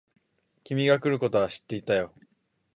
君が来ることは知ってたよ。